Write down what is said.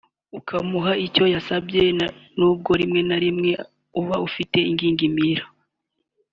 ukamuha icyo yasabye n’ubwo rimwe na rimwe uba ufite ingingimira